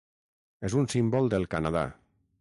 És un símbol del Canadà.